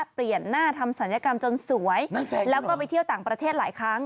เปลี่ยนหน้าทำศัลยกรรมจนสวยแล้วก็ไปเที่ยวต่างประเทศหลายครั้ง